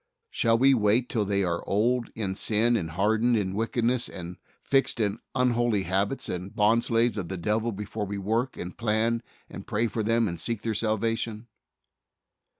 Shall we wait till they are old in sin and hardened in wicked ness and fixed in unholy habits and bond slaves of the devil before we work and plan and pray for them and seek their salvation?